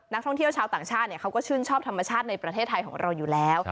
นักท่องเที่ยวชาวต่างชาติเขาก็ชื่นชอบธรรมชาติในประเทศไทยของเราอยู่แล้ว